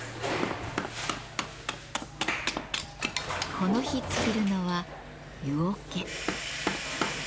この日作るのは湯桶。